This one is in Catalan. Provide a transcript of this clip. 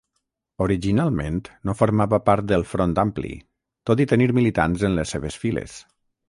Originalment no formava part del Front Ampli, tot i tenir militants en les seves files.